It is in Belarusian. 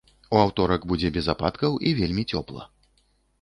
У аўторак будзе без ападкаў і вельмі цёпла.